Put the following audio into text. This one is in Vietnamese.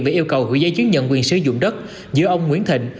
về yêu cầu gửi giấy chứng nhận quyền sử dụng đất giữa ông nguyễn thịnh